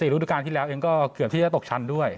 ฤดูการที่แล้วเองก็เกือบที่จะตกชั้นด้วย